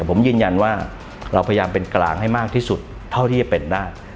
ผมยืนยันว่าเราพยายามเป็นกลางให้มากที่สุดเท่าที่จะเป็นได้